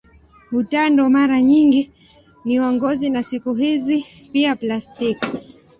Utando mara nyingi ni wa ngozi na siku hizi pia plastiki.